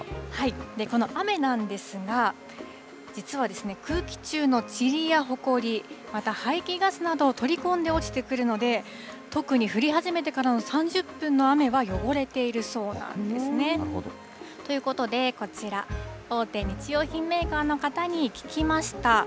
この雨なんですが、実は空気中のちりやほこり、また排気ガスなどを取り込んで落ちてくるので、特に降り始めてからの３０分の雨は汚れているそうなんですね。ということでこちら、大手日用品メーカーの方に聞きました。